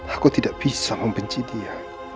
aku tidak bisa membenci dia